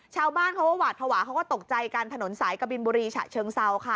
ชาวบ้านเขาวาดภาวะก็ตกใจการถนนสายกระบินบุรีชะเชิงเซาค่ะ